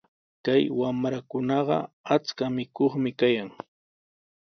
Kay wamrakunaqa achka mikuqmi kayan.